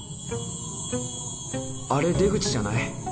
あれ出口じゃない？